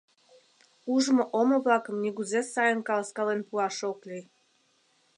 Ужмо омо-влакым нигузе сайын каласкален пуаш ок лий.